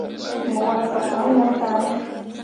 Mo walle fah balla no tah ne ?